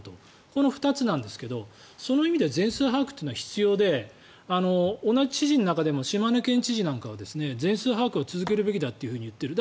この２つなんですがその意味では全数把握は必要で同じ知事の中でも島根県知事なんかは全数把握は続けるべきだと言っている。